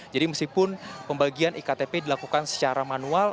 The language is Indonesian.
jadi meskipun pembagian iktp dilakukan secara manual